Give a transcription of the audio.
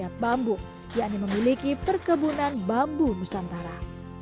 dan memiliki perkebunan bambu nusantara